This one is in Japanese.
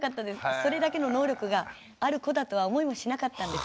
それだけの能力がある子だとは思いもしなかったんですね。